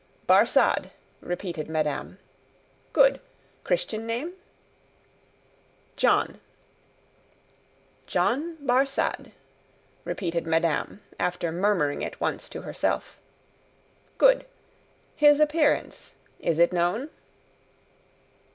"Barsad," repeated madame. "Good. Christian name?" "John." "John Barsad," repeated madame, after murmuring it once to herself. "Good. His appearance; is it known?"